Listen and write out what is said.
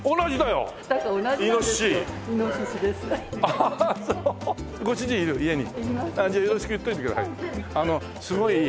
よろしく言っといてください。